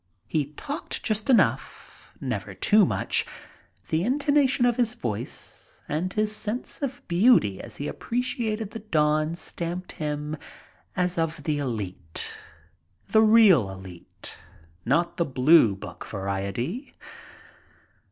He talked just enough, never too much. The intonation of his voice and his sense of beauty as he appreciated the dawn stamped him as of the elite — the real elite, not the Blue Book variety.